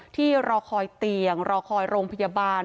ที่รอคอยเตียงรอคอยโรงพยาบาล